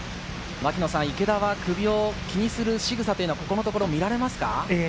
池田は首を気にするしぐさというのは、ここのところ、見られますか？